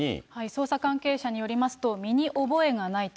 捜査関係者によりますと、身に覚えがないと。